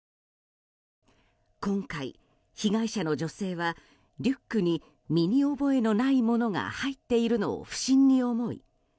今回、被害者の女性はリュックに身に覚えのないものが入っているのを不審に思い